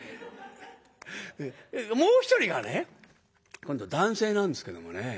もう一人がね今度男性なんですけどもね。